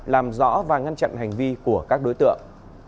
làm rõ và ngăn chặn hành vi của các đối tượng